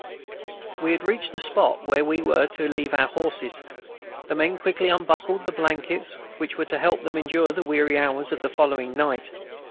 We had reached the spot where we were to leave our horses. The men quickly unbuckled the blankets which were to help them to endure the weary hours of the following night.